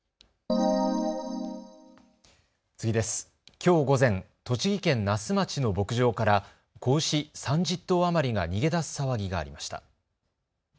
きょう午前、栃木県那須町の牧場から子牛３０頭余りが逃げ出す騒ぎがありました。